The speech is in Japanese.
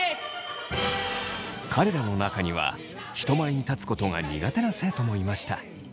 彼らの中には人前に立つことが苦手な生徒もいました。